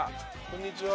こんにちは。